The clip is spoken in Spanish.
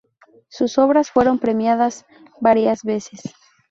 Sus obras fueron premiadas varias veces.